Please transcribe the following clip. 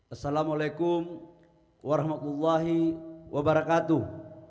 assalamualaikum warahmatullahi wabarakatuh